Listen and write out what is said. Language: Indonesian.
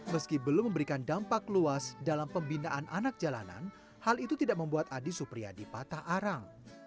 meski belum memberikan dampak luas dalam pembinaan anak jalanan hal itu tidak membuat adi supriyadi patah arang